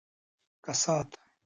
کسات